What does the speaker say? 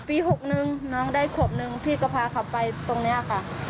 ปี๖นึงน้องได้ขวบนึงพี่ก็พาเขาไปตรงนี้ค่ะ